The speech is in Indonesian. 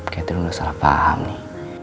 catherine udah salah paham nih